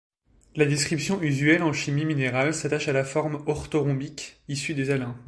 La description usuelle en chimie minérale s'attache à la forme orthorhombique, issue des aluns.